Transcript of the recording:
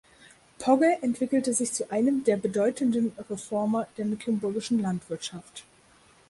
Pogge entwickelte sich zu einem der bedeutenden Reformer der mecklenburgischen Landwirtschaft.